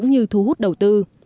cũng như thu hút đầu tư